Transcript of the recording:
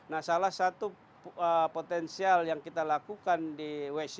nah salah satu potensial yang kita lakukan di west